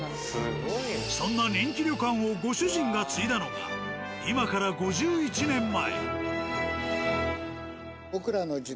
そんな人気旅館をご主人が継いだのが今から５１年前。